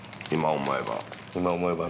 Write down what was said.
今思えば。